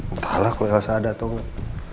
entahlah kalau elsa ada atau nggak